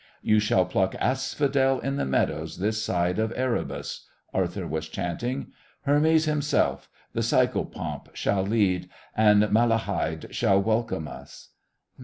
"You shall pluck asphodel in the meadows this side of Erebus," Arthur was chanting. "Hermes himself, the Psychopomp, shall lead, and Malahide shall welcome us."